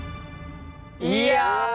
いや。